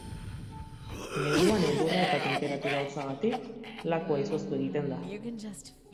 Neguan elurra eta tenperatura hotzagatik, lakua izoztu egiten da.